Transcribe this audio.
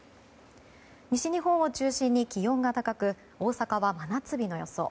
西日本を中心に気温が高く大阪は真夏日の予想。